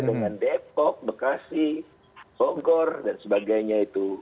dengan depok bekasi bogor dan sebagainya itu